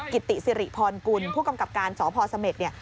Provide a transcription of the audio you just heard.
กิติสิริพรกุลผู้กำกับการสพเสม็ดเนี่ย